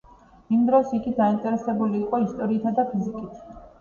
იმ დროს იგი დაინტერესებული იყო ისტორიითა და ფიზიკით.